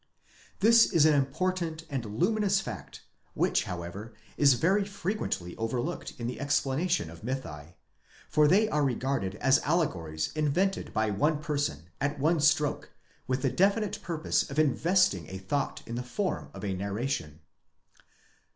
This is an important and luminous fact, which however is very frequently overlooked in the explanation of mythi ; for they are regarded as allegories invented by one person, at one stroke, with the definite purpose of investing a thought in the form of a narration."